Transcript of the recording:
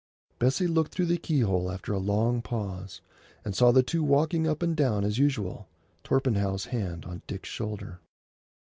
Bessie looked through the keyhole after a long pause, and saw the two walking up and down as usual, Torpenhow's hand on Dick's shoulder.